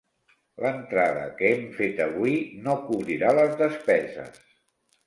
L'entrada que hem fet avui no cobrirà les despeses.